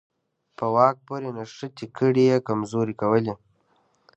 په واک پورې نښتې کړۍ یې کمزورې کولې.